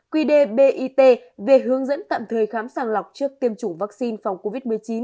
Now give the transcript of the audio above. quy đề bit về hướng dẫn tạm thời khám sàng lọc trước tiêm chủng vaccine phòng covid một mươi chín